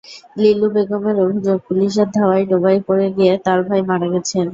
লিলু বেগমের অভিযোগ, পুলিশের ধাওয়ায় ডোবায় পড়ে গিয়ে তাঁর ভাই মারা গেছেন।